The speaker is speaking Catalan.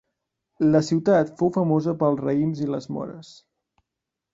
La ciutat fou famosa pels raïms i les mores.